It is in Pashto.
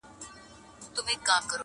بازاري ویل قصاب دی زموږ په ښار کي-